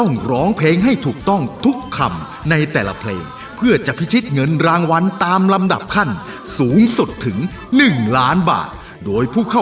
น้องเชนนะครับสู้หรือยดครับ